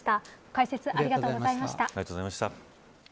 解説、ありがとうございました。